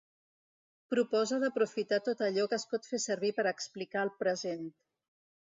Propose d’aprofitar tot allò que es pot fer servir per explicar el present.